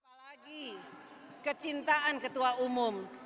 apalagi kecintaan ketua umum